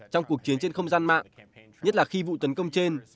trong cuộc chiến trên không gian mạng nhất là khi vụ tấn công trên